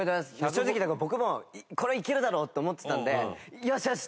正直だから僕もこれはいけるだろうって思ってたんで「よしよし！」